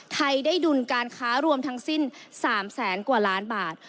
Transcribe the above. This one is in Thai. ไทยได้ดุลการค้ารวมทั้งสิ้น๓แสนกว่าล้านบาท